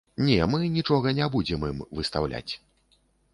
Не, мы нічога не будзем ім выстаўляць.